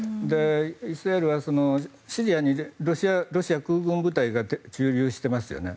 イスラエルはロシア空軍部隊が駐留してますよね。